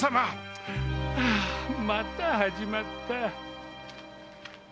あまた始まった。